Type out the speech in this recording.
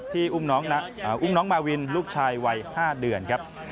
ที่อุ้มน้องมาวินลูกชายวัย๕เดือนครับ